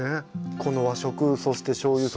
この和食そしてしょうゆと。